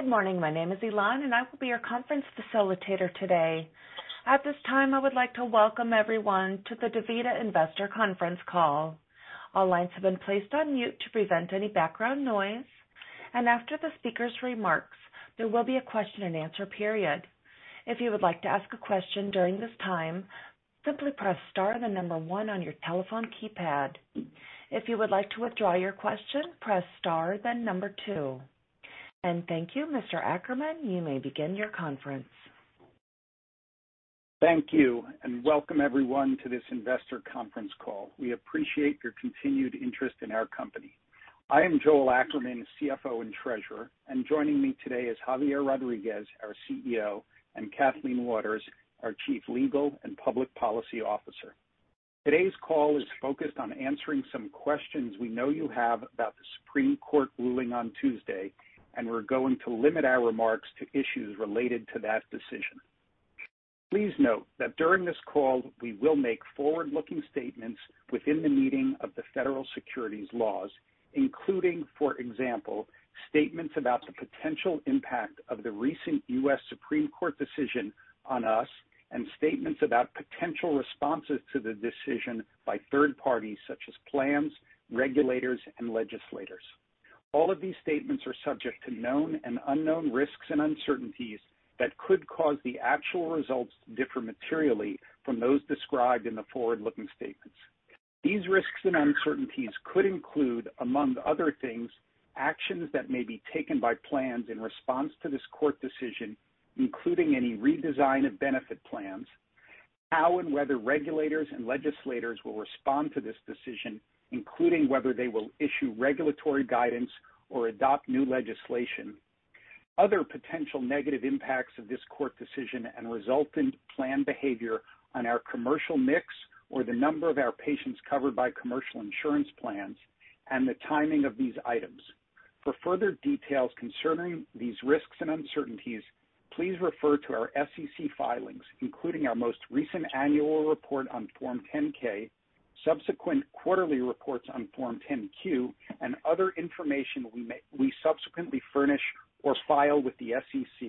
Good morning. My name is Elan, and I will be your conference facilitator today. At this time, I would like to welcome everyone to the DaVita Investor Conference Call. All lines have been placed on mute to prevent any background noise. After the speaker's remarks, there will be a question and answer period. If you would like to ask a question during this time, simply press star and the number one on your telephone keypad. If you would like to withdraw your question, press star then number two. Thank you, Mr. Ackerman. You may begin your conference. Thank you, and welcome everyone to this investor conference call. We appreciate your continued interest in our company. I am Joel Ackerman, CFO and Treasurer. Joining me today is Javier Rodriguez, our CEO, and Kathleen Waters, our Chief Legal and Public Policy Officer. Today's call is focused on answering some questions we know you have about the Supreme Court ruling on Tuesday, and we're going to limit our remarks to issues related to that decision. Please note that during this call, we will make forward-looking statements within the meaning of the federal securities laws, including, for example, statements about the potential impact of the recent U.S. Supreme Court decision on us and statements about potential responses to the decision by third parties such as plans, regulators, and legislators. All of these statements are subject to known and unknown risks and uncertainties that could cause the actual results to differ materially from those described in the forward-looking statements. These risks and uncertainties could include, among other things, actions that may be taken by plans in response to this court decision, including any redesign of benefit plans, how and whether regulators and legislators will respond to this decision, including whether they will issue regulatory guidance or adopt new legislation. Other potential negative impacts of this court decision and resultant plan behavior on our commercial mix or the number of our patients covered by commercial insurance plans and the timing of these items. For further details concerning these risks and uncertainties, please refer to our SEC filings, including our most recent annual report on Form 10-K, subsequent quarterly reports on Form 10-Q, and other information we may subsequently furnish or file with the SEC.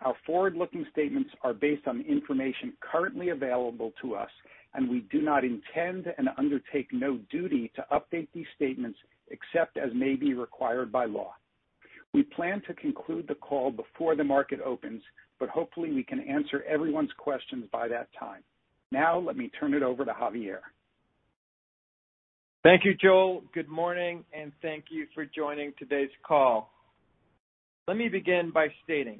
Our forward-looking statements are based on the information currently available to us, and we do not intend and undertake no duty to update these statements except as may be required by law. We plan to conclude the call before the market opens, but hopefully we can answer everyone's questions by that time. Now let me turn it over to Javier. Thank you, Joel. Good morning, and thank you for joining today's call. Let me begin by stating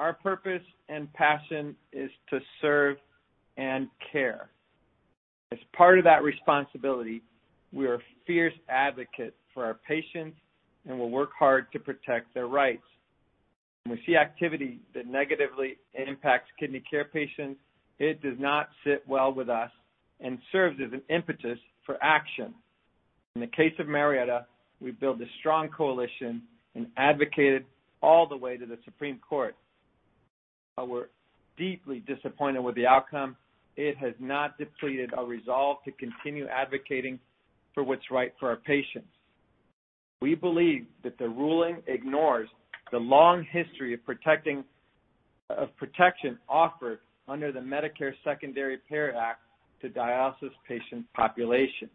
our purpose and passion is to serve and care. As part of that responsibility, we are a fierce advocate for our patients and will work hard to protect their rights. When we see activity that negatively impacts kidney care patients, it does not sit well with us and serves as an impetus for action. In the case of Marietta, we built a strong coalition and advocated all the way to the Supreme Court. While we're deeply disappointed with the outcome, it has not depleted our resolve to continue advocating for what's right for our patients. We believe that the ruling ignores the long history of protection offered under the Medicare Secondary Payer Act to dialysis patient population.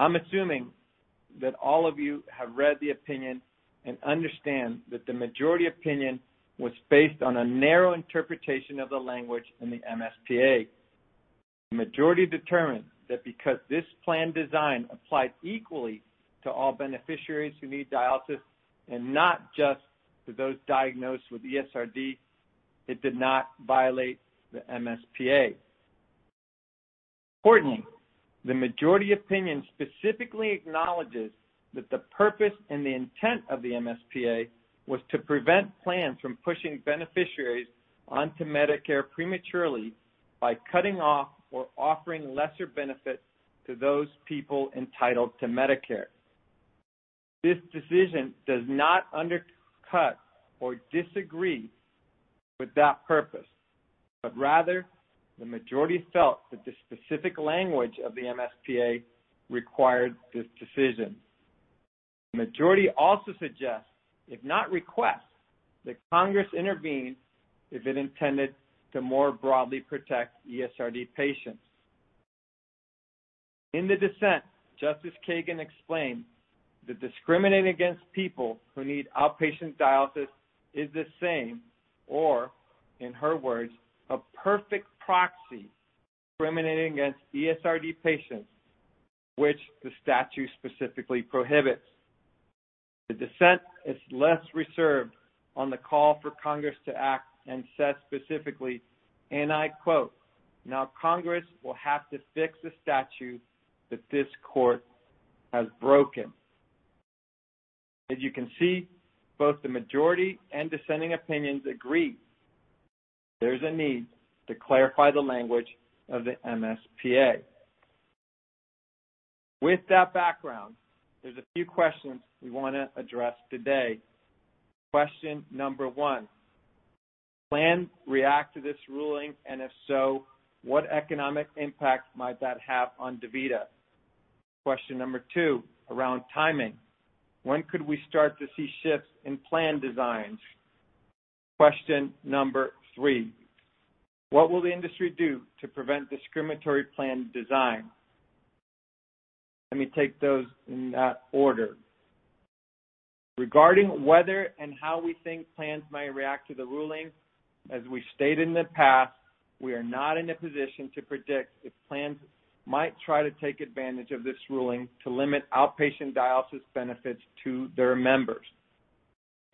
I'm assuming that all of you have read the opinion and understand that the majority opinion was based on a narrow interpretation of the language in the MSPA. The majority determined that because this plan design applied equally to all beneficiaries who need dialysis and not just to those diagnosed with ESRD, it did not violate the MSPA. Importantly, the majority opinion specifically acknowledges that the purpose and the intent of the MSPA was to prevent plans from pushing beneficiaries onto Medicare prematurely by cutting off or offering lesser benefits to those people entitled to Medicare. This decision does not undercut or disagree with that purpose, but rather the majority felt that the specific language of the MSPA required this decision. The majority also suggests, if not requests, that Congress intervenes if it intended to more broadly protect ESRD patients. In the dissent, Justice Kagan explained that discriminating against people who need outpatient dialysis is the same, or in her words, "A perfect proxy discriminating against ESRD patients, which the statute specifically prohibits." The dissent is less reserved on the call for Congress to act and says specifically, and I quote, "Now Congress will have to fix the statute that this court has broken." As you can see, both the majority and dissenting opinions agree there's a need to clarify the language of the MSPA. With that background, there's a few questions we wanna address today. Question number one. Plans react to this ruling, and if so, what economic impact might that have on DaVita? Question number two, around timing. When could we start to see shifts in plan designs? Question number three. What will the industry do to prevent discriminatory plan design? Let me take those in that order. Regarding whether and how we think plans might react to the ruling, as we stated in the past, we are not in a position to predict if plans might try to take advantage of this ruling to limit outpatient dialysis benefits to their members.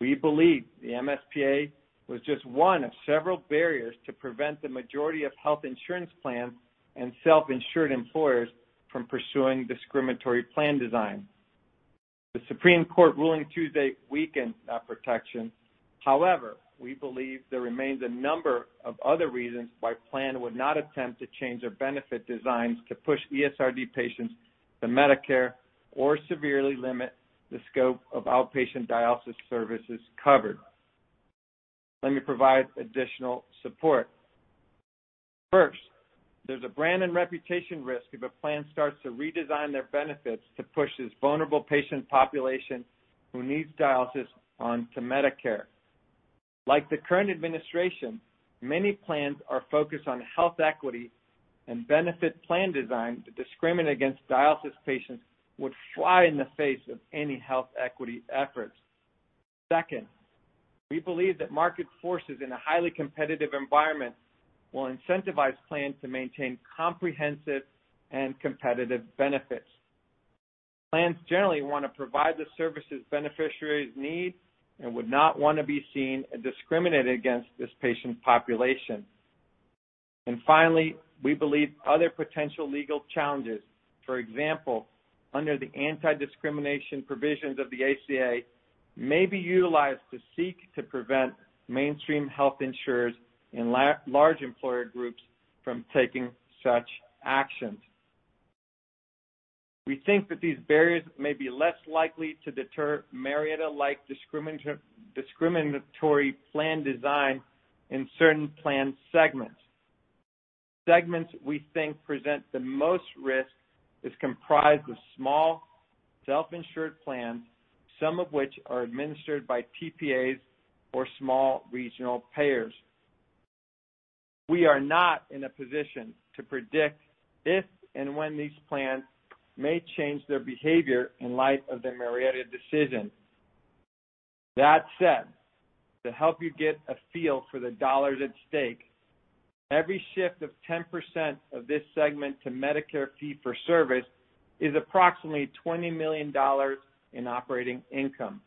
We believe the MSPA was just one of several barriers to prevent the majority of health insurance plans and self-insured employers from pursuing discriminatory plan design. The Supreme Court ruling Tuesday weakened that protection. However, we believe there remains a number of other reasons why plan would not attempt to change their benefit designs to push ESRD patients to Medicare or severely limit the scope of outpatient dialysis services covered. Let me provide additional support. First, there's a brand and reputation risk if a plan starts to redesign their benefits to push this vulnerable patient population who needs dialysis onto Medicare. Like the current administration, many plans are focused on health equity and benefit plan design that discriminate against dialysis patients would fly in the face of any health equity efforts. Second, we believe that market forces in a highly competitive environment will incentivize plans to maintain comprehensive and competitive benefits. Plans generally want to provide the services beneficiaries need and would not want to be seen as discriminating against this patient population. Finally, we believe other potential legal challenges, for example, under the anti-discrimination provisions of the ACA, may be utilized to seek to prevent mainstream health insurers and large employer groups from taking such actions. We think that these barriers may be less likely to deter Marietta-like discriminatory plan design in certain plan segments. Segments we think present the most risk is comprised of small self-insured plans, some of which are administered by TPAs or small regional payers. We are not in a position to predict if and when these plans may change their behavior in light of the Marietta decision. That said, to help you get a feel for the dollars at stake, every shift of 10% of this segment to Medicare fee-for-service is approximately $20 million in operating income.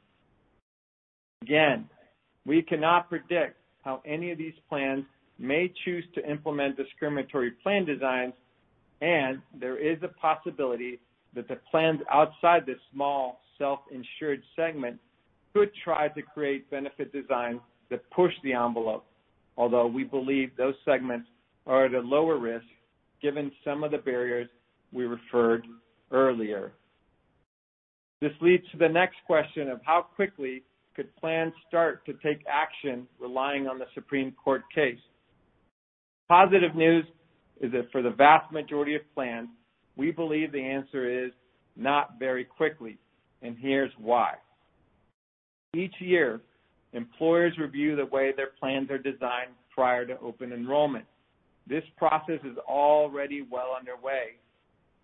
Again, we cannot predict how any of these plans may choose to implement discriminatory plan designs, and there is a possibility that the plans outside this small self-insured segment could try to create benefit designs that push the envelope. Although we believe those segments are at a lower risk given some of the barriers we referred earlier. This leads to the next question of how quickly could plans start to take action relying on the Supreme Court case. Positive news is that for the vast majority of plans, we believe the answer is not very quickly, and here's why. Each year, employers review the way their plans are designed prior to open enrollment. This process is already well underway,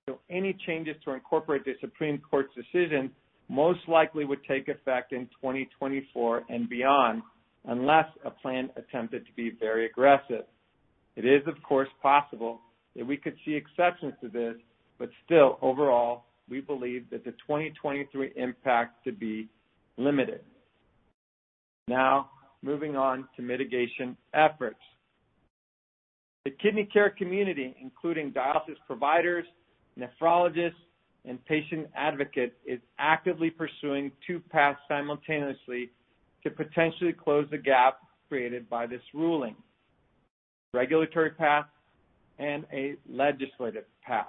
so any changes to incorporate the Supreme Court's decision most likely would take effect in 2024 and beyond, unless a plan attempted to be very aggressive. It is, of course, possible that we could see exceptions to this, but still, overall, we believe that the 2023 impact to be limited. Now, moving on to mitigation efforts. The Kidney Care Community, including dialysis providers, nephrologists, and patient advocates, is actively pursuing two paths simultaneously to potentially close the gap created by this ruling, a regulatory path and a legislative path.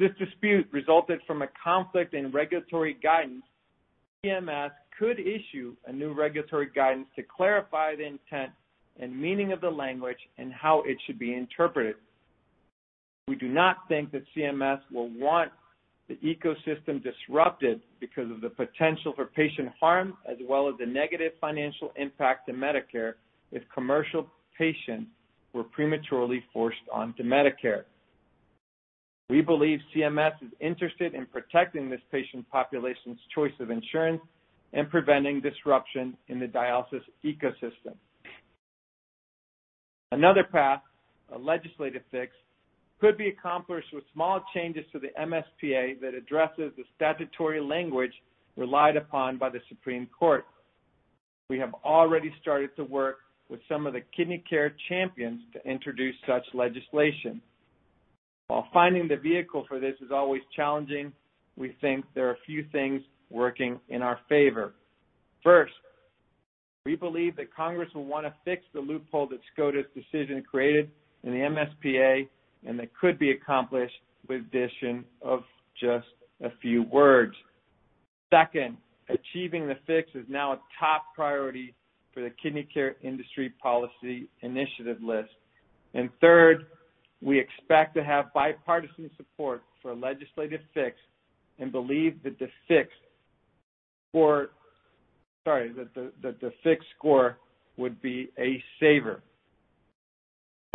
This dispute resulted from a conflict in regulatory guidance. CMS could issue a new regulatory guidance to clarify the intent and meaning of the language and how it should be interpreted. We do not think that CMS will want the ecosystem disrupted because of the potential for patient harm as well as the negative financial impact to Medicare if commercial patients were prematurely forced onto Medicare. We believe CMS is interested in protecting this patient population's choice of insurance and preventing disruption in the dialysis ecosystem. Another path, a legislative fix, could be accomplished with small changes to the MSPA that addresses the statutory language relied upon by the Supreme Court. We have already started to work with some of the kidney care champions to introduce such legislation. While finding the vehicle for this is always challenging, we think there are a few things working in our favor. First, we believe that Congress will want to fix the loophole that SCOTUS decision created in the MSPA, and that could be accomplished with addition of just a few words. Second, achieving the fix is now a top priority for the kidney care industry policy initiative list. Third, we expect to have bipartisan support for a legislative fix and believe that the fiscal score would be a saver.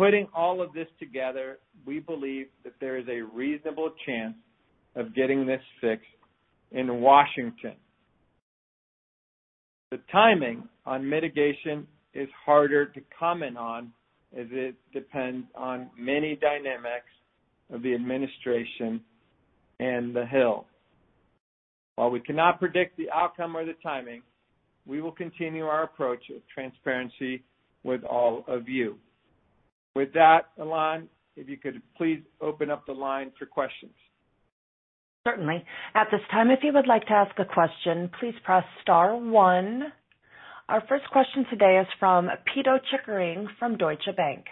Putting all of this together, we believe that there is a reasonable chance of getting this fixed in Washington. The timing on mitigation is harder to comment on as it depends on many dynamics of the administration and the Hill. While we cannot predict the outcome or the timing, we will continue our approach of transparency with all of you. With that, Elan, if you could please open up the line for questions. Certainly. At this time, if you would like to ask a question, please press star one. Our first question today is from Pito Chickering from Deutsche Bank.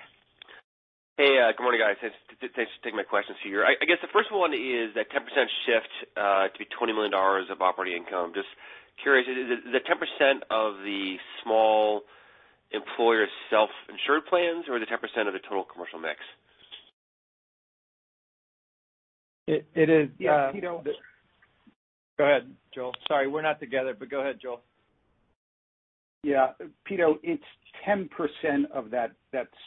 Hey, good morning, guys. Thanks for taking my questions here. I guess the first one is that 10% shift to be $20 million of operating income. Just curious, is it the 10% of the small employer self-insured plans or the 10% of the total commercial mix? It is. Yeah, Pito. Go ahead, Joel. Sorry, we're not together, but go ahead, Joel. Yeah. Pito, it's 10% of that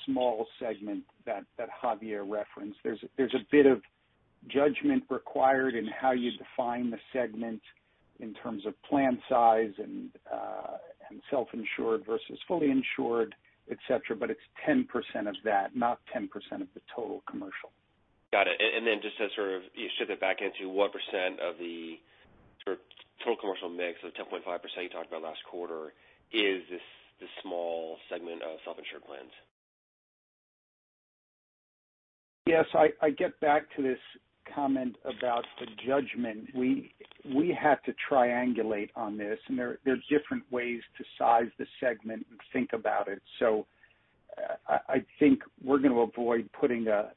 small segment that Javier referenced. There's a bit of judgment required in how you define the segment in terms of plan size and self-insured versus fully insured, et cetera, but it's 10% of that, not 10% of the total commercial. Got it. Just to sort of shift it back into what percent of the sort of total commercial mix the 10.5% you talked about last quarter is this small segment of self-insured plans? Yes. I get back to this comment about the judgment. We had to triangulate on this, and there's different ways to size the segment and think about it. I think we're gonna avoid putting a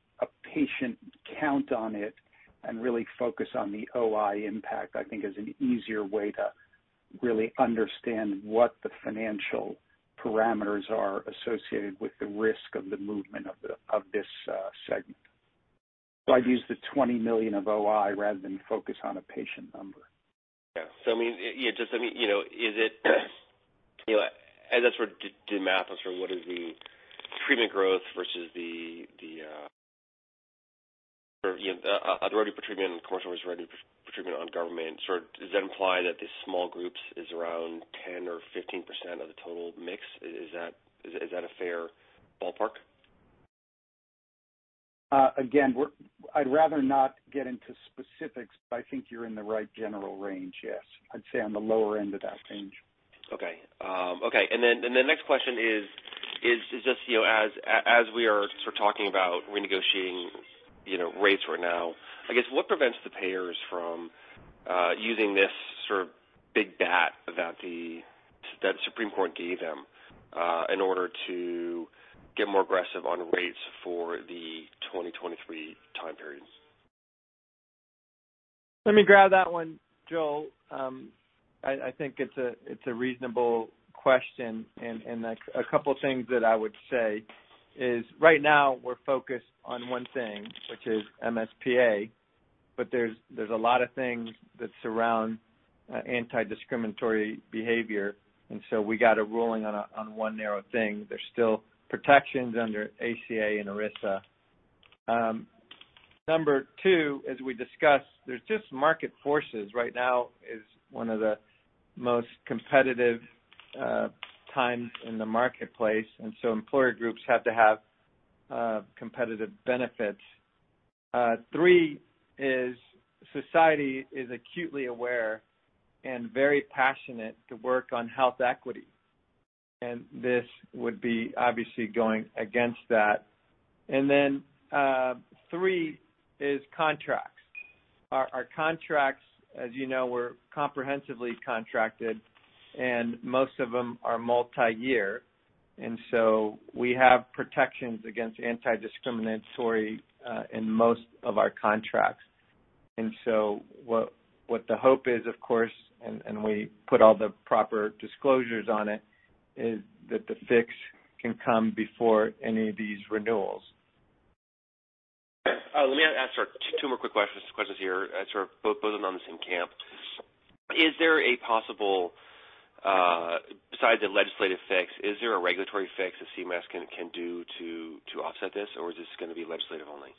patient count on it and really focus on the OI impact, I think is an easier way to really understand what the financial parameters are associated with the risk of the movement of this segment. I'd use the $20 million of OI rather than focus on a patient number. I mean, you know, is it, you know, as I sort of do the math on sort of what is the treatment growth versus revenue per treatment, commercial versus revenue per treatment on government, sort of does that imply that the small groups is around 10% or 15% of the total mix? Is that a fair ballpark? Again, I'd rather not get into specifics, but I think you're in the right general range, yes. I'd say on the lower end of that range. Okay. Okay. The next question is just, you know, as we are sort of talking about renegotiating, you know, rates right now, I guess what prevents the payers from using this sort of big bat that the Supreme Court gave them in order to get more aggressive on rates for the 2023 time periods? Let me grab that one, Joel. I think it's a reasonable question. A couple things that I would say is, right now we're focused on one thing, which is MSPA, but there's a lot of things that surround anti-discriminatory behavior. We got a ruling on one narrow thing. There's still protections under ACA and ERISA. Number two, as we discussed, there's just market forces. Right now is one of the most competitive times in the marketplace, and so employer groups have to have competitive benefits. Three is society is acutely aware and very passionate to work on health equity, and this would be obviously going against that. Three is contracts. Our contracts, as you know, we're comprehensively contracted, and most of them are multi-year, and so we have protections against anti-discriminatory in most of our contracts. What the hope is, of course, and we put all the proper disclosures on it, is that the fix can come before any of these renewals. Let me ask two more quick questions here. Sort of both of them on the same camp. Is there possibly, besides the legislative fix, a regulatory fix that CMS can do to offset this or is this gonna be legislative only?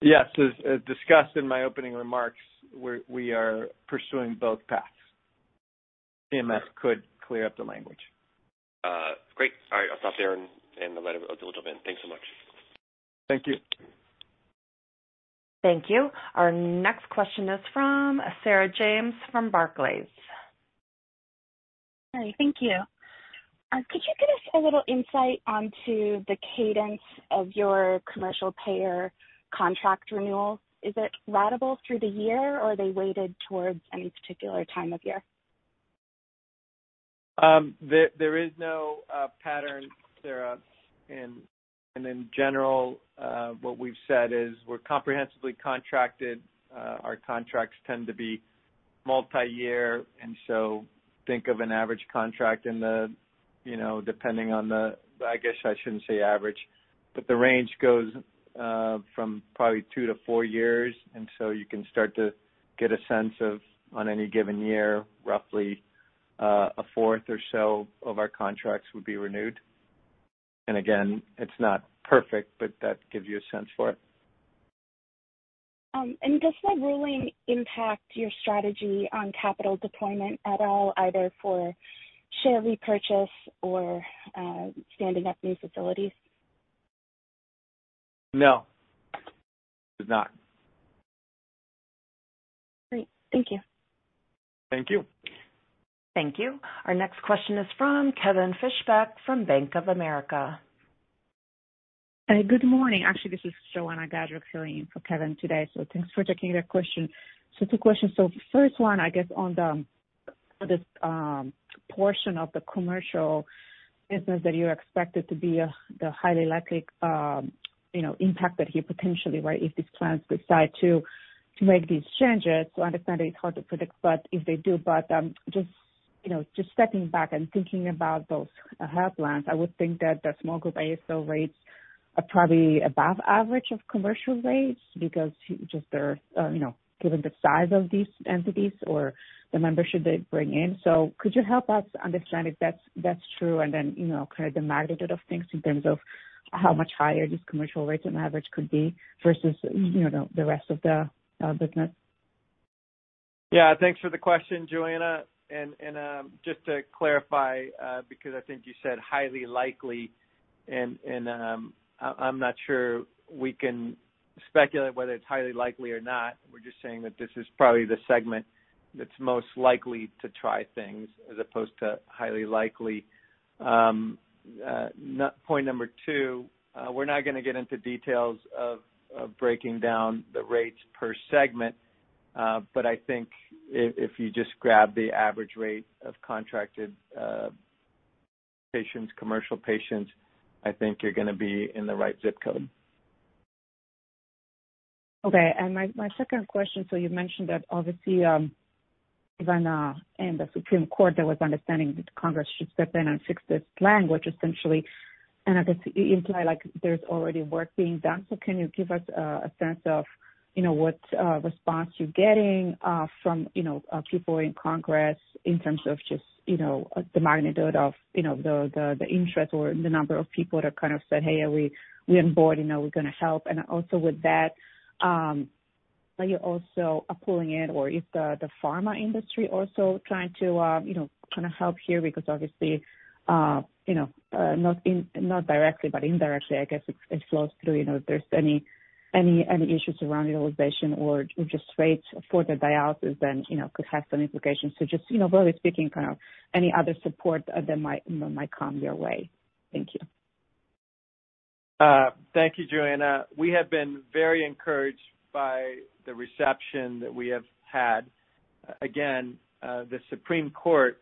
Yes. As discussed in my opening remarks, we are pursuing both paths. CMS could clear up the language. Great. All right. I'll stop there and let it open to everyone. Thanks so much. Thank you. Thank you. Our next question is from Sarah James from Barclays. Hi. Thank you. Could you give us a little insight onto the cadence of your commercial payer contract renewals? Is it ratable through the year, or are they weighted towards any particular time of year? There is no pattern, Sarah. In general, what we've said is we're comprehensively contracted. Our contracts tend to be multi-year, so think of an average contract in the, you know, I guess I shouldn't say average, but the range goes from probably two to four years. You can start to get a sense of, on any given year, roughly, a fourth or so of our contracts would be renewed. Again, it's not perfect, but that gives you a sense for it. Does the ruling impact your strategy on capital deployment at all, either for share repurchase or standing up new facilities? No. It does not. Great. Thank you. Thank you. Thank you. Our next question is from Kevin Fischbeck from Bank of America. Good morning. Actually, this is Joanna Gajuk filling in for Kevin today, so thanks for taking the question. Two questions. First one, I guess on this portion of the commercial business that you expected to be the highly likely impact that he potentially, right? If these plans decide to make these changes, I understand it's hard to predict, but if they do, just stepping back and thinking about those health plans, I would think that the small group ASO rates are probably above average of commercial rates because they're, you know, given the size of these entities or the membership they bring in. Could you help us understand if that's true and then, you know, kind of the magnitude of things in terms of how much higher these commercial rates on average could be versus, you know, the rest of the business? Yeah, thanks for the question, Joanna. Just to clarify, because I think you said highly likely, I'm not sure we can speculate whether it's highly likely or not. We're just saying that this is probably the segment that's most likely to try things as opposed to highly likely. Point number two, we're not gonna get into details of breaking down the rates per segment. I think if you just grab the average rate of contracted patients, commercial patients, I think you're gonna be in the right zip code. Okay. My second question, so you mentioned that obviously, even in the Supreme Court, there was understanding that Congress should step in and fix this language essentially. I guess, I mean, like there's already work being done. Can you give us a sense of what response you're getting from people in Congress in terms of just the magnitude of the interest or the number of people that kind of said, "Hey, are we onboard, you know, we're gonna help." Also with that, are you also pulling in or is the pharma industry also trying to kind of help here because obviously not directly, but indirectly, I guess it flows through if there's any issues around utilization or just rates for the dialysis, then could have some implications. Just broadly speaking, kind of any other support that might come your way. Thank you. Thank you, Joanna. We have been very encouraged by the reception that we have had. Again, the Supreme Court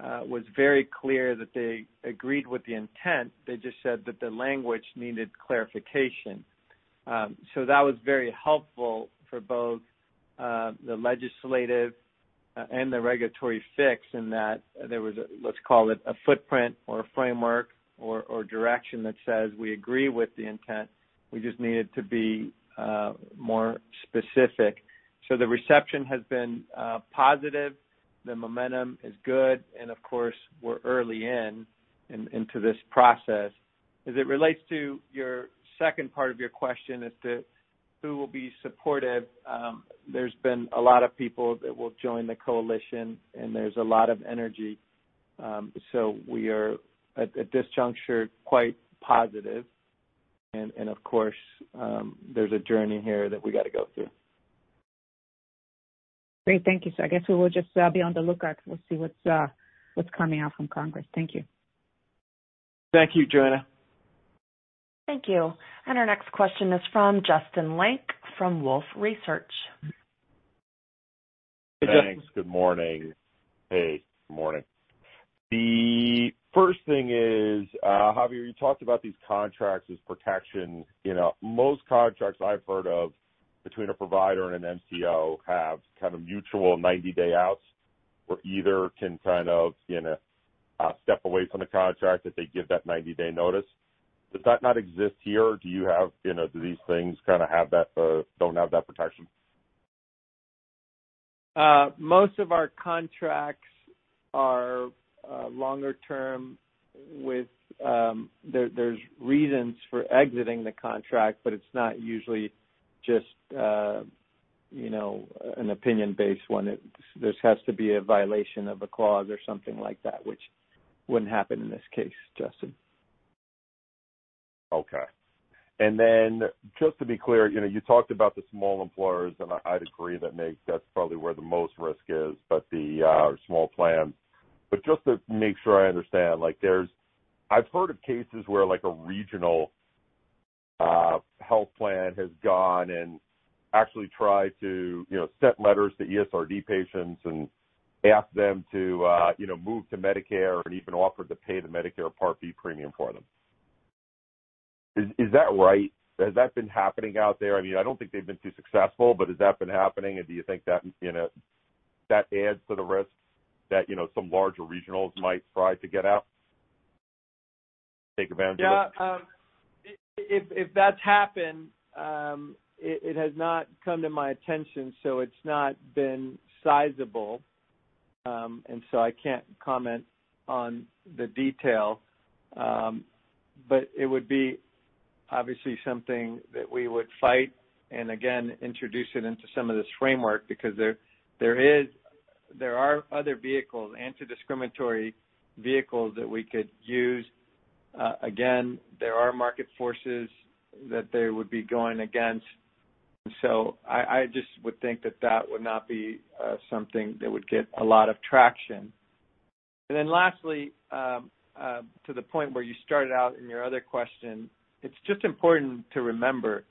was very clear that they agreed with the intent. They just said that the language needed clarification. So that was very helpful for both the legislative and the regulatory fix in that there was a, let's call it a footprint or a framework or direction that says, we agree with the intent. We just need it to be more specific. So the reception has been positive. The momentum is good, and of course, we're early into this process. As it relates to your second part of your question as to who will be supportive, there's been a lot of people that will join the coalition, and there's a lot of energy. We are at this juncture quite positive. Of course, there's a journey here that we gotta go through. Great. Thank you. I guess we will just be on the lookout. We'll see what's coming out from Congress. Thank you. Thank you, Joanna. Thank you. Our next question is from Justin Lake from Wolfe Research. Justin- Thanks. Good morning. Hey. Morning. The first thing is, Javier, you talked about these contracts as protection. You know, most contracts I've heard of between a provider and an MCO have kind of mutual 90-day outs where either can kind of, you know, step away from the contract if they give that 90-day notice. Does that not exist here? Do you have, you know, do these things kinda have that, don't have that protection? Most of our contracts are longer term with. There's reasons for exiting the contract, but it's not usually just, you know, an opinion-based one. This has to be a violation of a clause or something like that, which wouldn't happen in this case, Justin. Okay. Just to be clear, you know, you talked about the small employers, and I'd agree that that's probably where the most risk is, but the, Yeah. Small plans. Just to make sure I understand, like I've heard of cases where like a regional health plan has gone and actually tried to, you know, send letters to ESRD patients and ask them to, you know, move to Medicare and even offered to pay the Medicare Part B premium for them. Is that right? Has that been happening out there? I mean, I don't think they've been too successful, but has that been happening? Do you think that, you know, that adds to the risks that, you know, some larger regionals might try to get out, take advantage of? Yeah. If that's happened, it has not come to my attention, so it's not been sizable. I can't comment on the detail. It would be obviously something that we would fight and again, introduce it into some of this framework because there are other vehicles, anti-discriminatory vehicles that we could use. Again, there are market forces that they would be going against. I just would think that that would not be something that would get a lot of traction. Lastly, to the point where you started out in your other question, it's just important to remember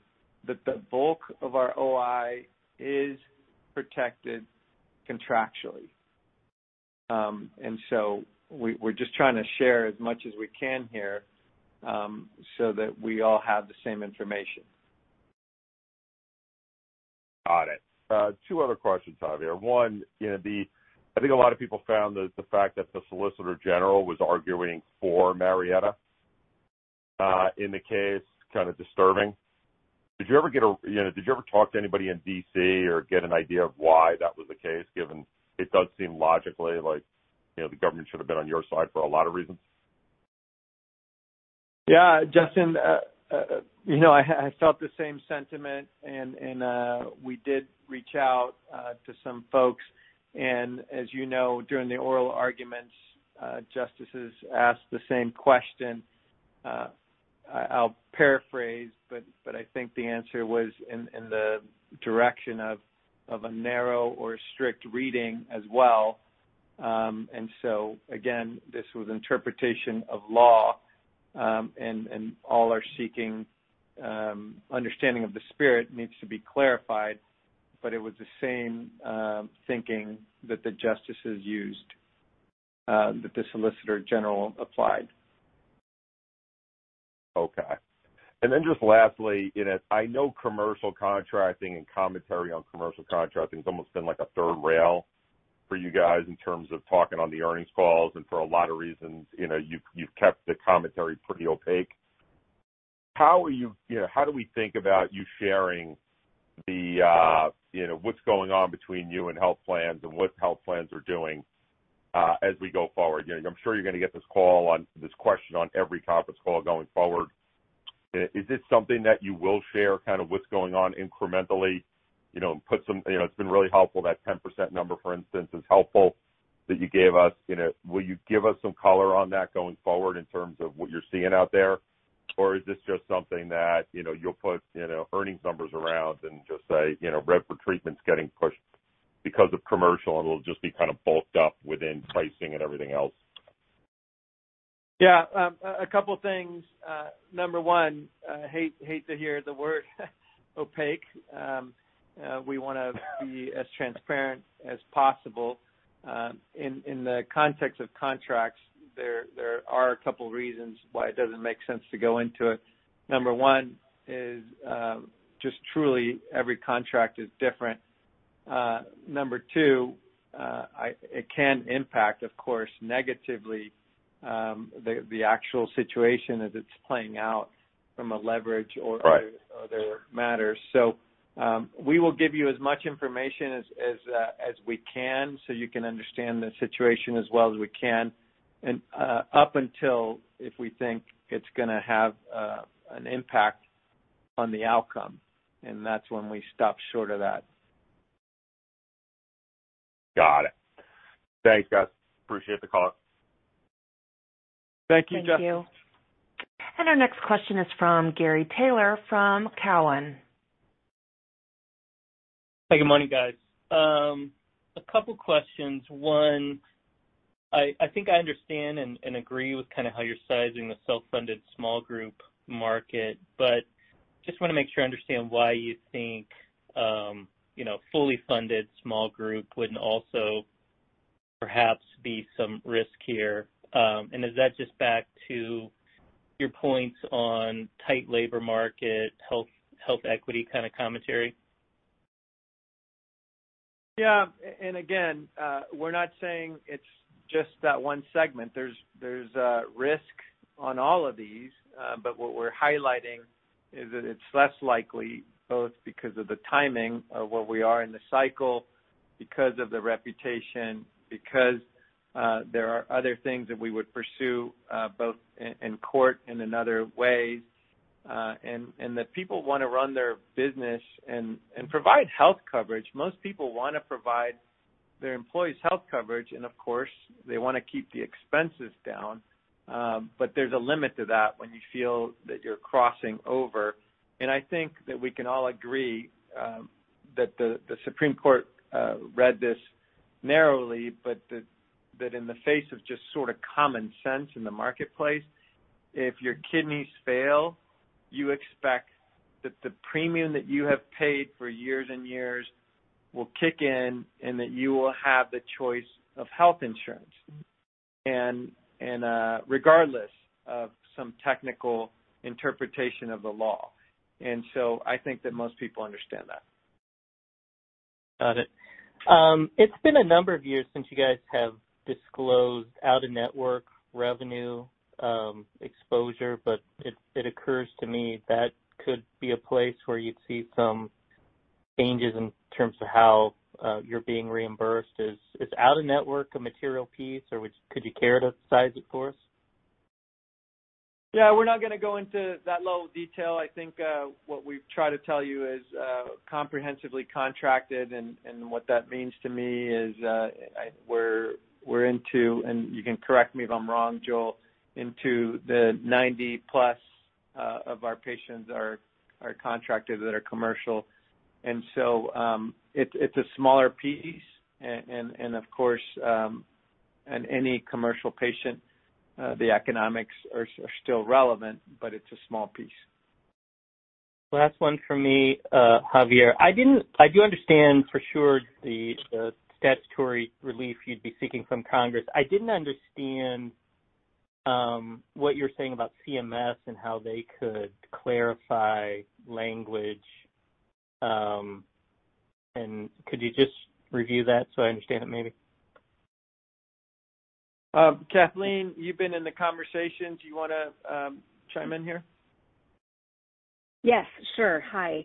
that the bulk of our OI is protected contractually. We're just trying to share as much as we can here, so that we all have the same information. Got it. Two other questions, Javier. One, you know, I think a lot of people found that the fact that the Solicitor General was arguing for Marietta in the case kind of disturbing. Did you ever talk to anybody in D.C. or get an idea of why that was the case, given it does seem logically like, you know, the government should have been on your side for a lot of reasons? Yeah, Justin, you know, I felt the same sentiment, and we did reach out to some folks. As you know, during the oral arguments, justices asked the same question. I'll paraphrase, but I think the answer was in the direction of a narrow or strict reading as well. Again, this was interpretation of law, and all are seeking understanding of the spirit needs to be clarified, but it was the same thinking that the justices used that the Solicitor General applied. Okay. Just lastly, you know, I know commercial contracting and commentary on commercial contracting has almost been like a third rail for you guys in terms of talking on the earnings calls. For a lot of reasons, you know, you've kept the commentary pretty opaque. You know, how do we think about you sharing the, you know, what's going on between you and health plans and what health plans are doing, as we go forward? You know, I'm sure you're gonna get this question on every conference call going forward. Is this something that you will share kind of what's going on incrementally, you know, and put some. You know, it's been really helpful. That 10% number, for instance, is helpful that you gave us. You know, will you give us some color on that going forward in terms of what you're seeing out there? Or is this just something that, you know, you'll put, you know, earnings numbers around and just say, you know, revenue per treatment's getting pushed because of commercial and it'll just be kind of bulked up within pricing and everything else? Yeah. A couple things. Number one, I hate to hear the word opaque. We wanna be as transparent as possible. In the context of contracts, there are a couple reasons why it doesn't make sense to go into it. Number one is, just truly every contract is different. Number two, it can impact, of course, negatively, the actual situation as it's playing out from a leverage or- Right. Other matters. We will give you as much information as we can so you can understand the situation as well as we can. Up until if we think it's gonna have an impact on the outcome, and that's when we stop short of that. Got it. Thanks, guys. Appreciate the call. Thank you, Justin. Thank you. Our next question is from Gary Taylor from Cowen. Hey, good morning, guys. A couple questions. One, I think I understand and agree with kind of how you're sizing the self-funded small group market, but just wanna make sure I understand why you think, you know, fully funded small group wouldn't also perhaps be some risk here. And is that just back to your points on tight labor market, health equity kind of commentary? Yeah. Again, we're not saying it's just that one segment. There's risk on all of these. What we're highlighting is that it's less likely, both because of the timing of where we are in the cycle, because of the reputation, because there are other things that we would pursue, both in court and in other ways, and that people wanna run their business and provide health coverage. Most people wanna provide their employees health coverage, and of course, they wanna keep the expenses down. There's a limit to that when you feel that you're crossing over. I think that we can all agree that the Supreme Court read this narrowly, but that in the face of just sort of common sense in the marketplace, if your kidneys fail, you expect that the premium that you have paid for years and years will kick in and that you will have the choice of health insurance. Mm-hmm. Regardless of some technical interpretation of the law. I think that most people understand that. Got it. It's been a number of years since you guys have disclosed out-of-network revenue exposure, but it occurs to me that could be a place where you'd see some changes in terms of how you're being reimbursed. Is out-of-network a material piece, or could you characterize it for us? Yeah, we're not gonna go into that level of detail. I think what we've tried to tell you is comprehensively contracted, and what that means to me is we're into, and you can correct me if I'm wrong, Joel, into the 90%+ of our patients are contracted that are commercial. It's a smaller piece and of course any commercial patient the economics are still relevant, but it's a small piece. Last one from me, Javier. I do understand for sure the statutory relief you'd be seeking from Congress. I didn't understand what you're saying about CMS and how they could clarify language, and could you just review that so I understand it maybe? Kathleen, you've been in the conversation. Do you wanna chime in here? Yes. Sure. Hi.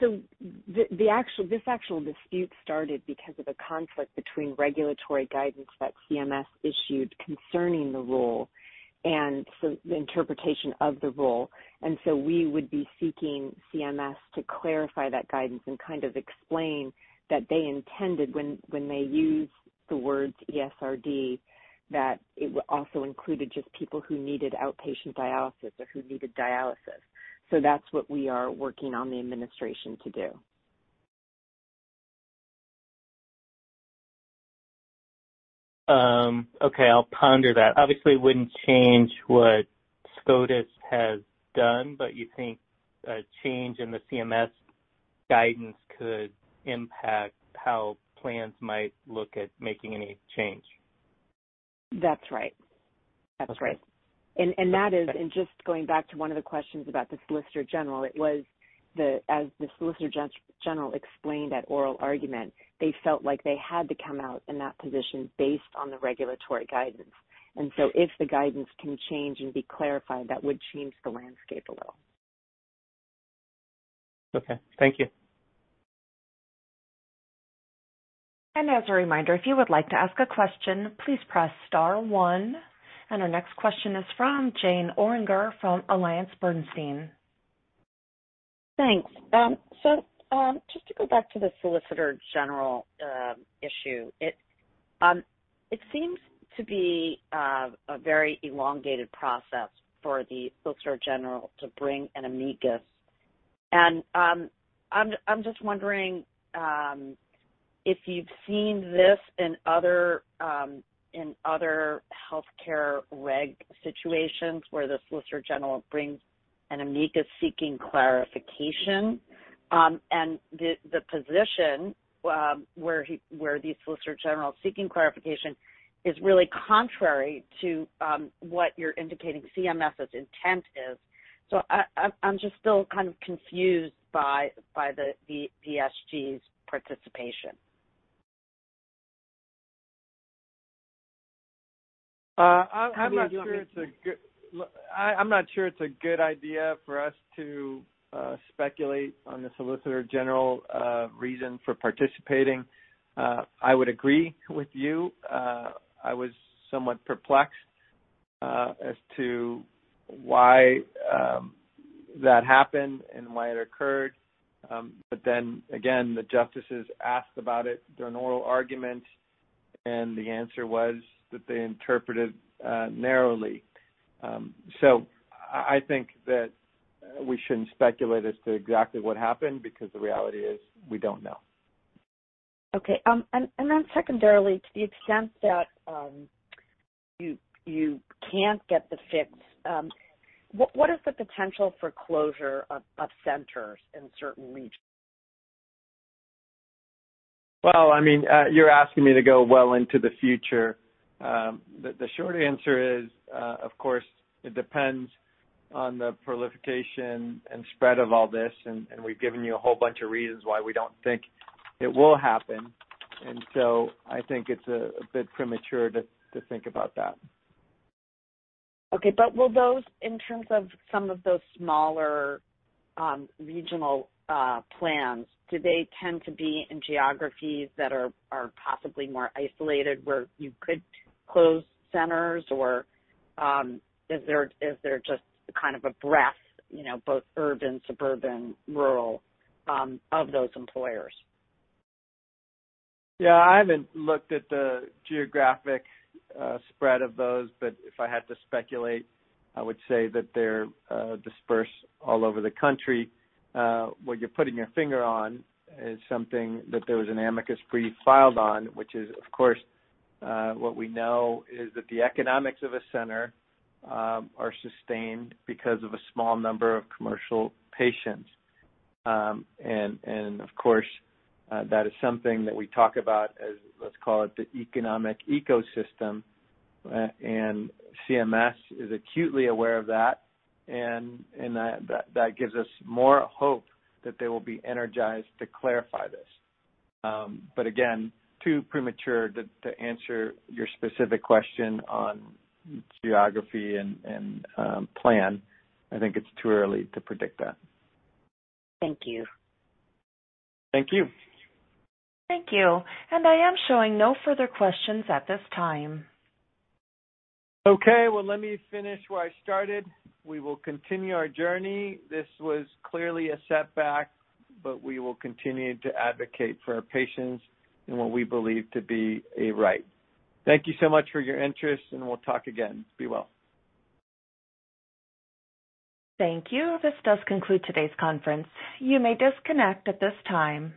This actual dispute started because of a conflict between regulatory guidance that CMS issued concerning the rule and so the interpretation of the rule. We would be seeking CMS to clarify that guidance and kind of explain that they intended when they used the words ESRD, that it also included just people who needed outpatient dialysis or who needed dialysis. That's what we are working on the administration to do. Okay, I'll ponder that. Obviously, it wouldn't change what SCOTUS has done, but you think a change in the CMS guidance could impact how plans might look at making any change? That's right. That's right. Okay. Just going back to one of the questions about the Solicitor General, it was the, as the Solicitor General explained at oral argument, they felt like they had to come out in that position based on the regulatory guidance. If the guidance can change and be clarified, that would change the landscape a little. Okay. Thank you. As a reminder, if you would like to ask a question, please press star one. Our next question is from Pito Chickering of AllianceBernstein. Thanks. Just to go back to the Solicitor General issue, it seems to be a very elongated process for the Solicitor General to bring an amicus. I'm just wondering if you've seen this in other healthcare reg situations where the Solicitor General brings an amicus seeking clarification, and the position where the Solicitor General is seeking clarification is really contrary to what you're indicating CMS's intent is. I'm just still kind of confused by the SG's participation. Look, I'm not sure it's a good idea for us to speculate on the Solicitor General's reason for participating. I would agree with you. I was somewhat perplexed as to why that happened and why it occurred. Again, the justices asked about it during oral argument, and the answer was that they interpreted narrowly. I think that we shouldn't speculate as to exactly what happened because the reality is we don't know. Okay. Secondarily, to the extent that you can't get the fix, what is the potential for closure of centers in certain regions? Well, I mean, you're asking me to go well into the future. The short answer is, of course, it depends on the proliferation and spread of all this, and we've given you a whole bunch of reasons why we don't think it will happen. I think it's a bit premature to think about that. Okay. Will those, in terms of some of those smaller, regional, plans, do they tend to be in geographies that are possibly more isolated where you could close centers or, is there just kind of a breadth, you know, both urban, suburban, rural, of those employers? Yeah, I haven't looked at the geographic spread of those, but if I had to speculate, I would say that they're dispersed all over the country. What you're putting your finger on is something that there was an amicus brief filed on, which is, of course, what we know is that the economics of a center are sustained because of a small number of commercial patients. Of course, that is something that we talk about as, let's call it, the economic ecosystem. CMS is acutely aware of that, and that gives us more hope that they will be energized to clarify this. Again, too premature to answer your specific question on geography and plan. I think it's too early to predict that. Thank you. Thank you. Thank you. I am showing no further questions at this time. Okay, well, let me finish where I started. We will continue our journey. This was clearly a setback, but we will continue to advocate for our patients and what we believe to be a right. Thank you so much for your interest, and we'll talk again. Be well. Thank you. This does conclude today's conference. You may disconnect at this time.